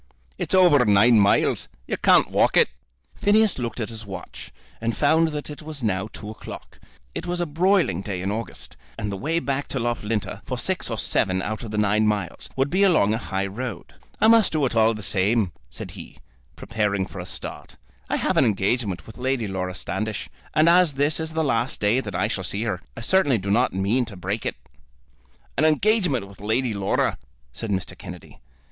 "It's over nine miles. You can't walk it." Phineas looked at his watch, and found that it was now two o'clock. It was a broiling day in August, and the way back to Loughlinter, for six or seven out of the nine miles, would be along a high road. "I must do it all the same," said he, preparing for a start. "I have an engagement with Lady Laura Standish; and as this is the last day that I shall see her, I certainly do not mean to break it." "An engagement with Lady Laura," said Mr. Kennedy.